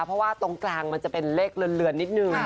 เพราะว่าตรงกลางมันจะเป็นเลขเลือนนิดนึง